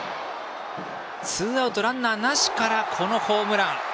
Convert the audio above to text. ツーアウトランナーなしからこのホームラン。